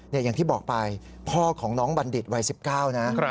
อย่างที่บอกไปพ่อของน้องบัณฑิตวัย๑๙นะ